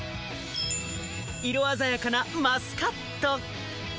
色鮮やかなマスカット。